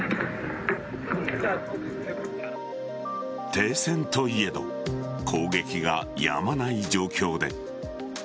停戦といえど攻撃がやまない状況で。